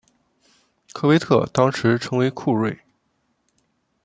科威特当时称为库锐。